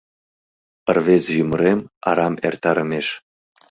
Рвезе ӱмырем арам эртарымеш